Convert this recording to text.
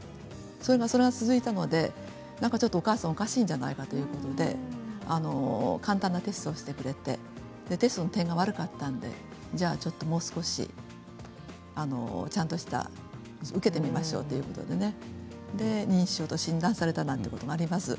それが続いたのでなんかお母さんおかしいんじゃない？ということで簡単なテストをしてくれてテストの点が悪かったのでじゃあ、ちょっともう少しちゃんとしたものを受けてみましょうということでそこで認知症と診断されたということがありました。